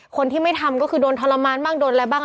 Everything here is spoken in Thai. คนที่ไม่ทำก็คือโดนทรมานบ้างโดนอะไรบ้าง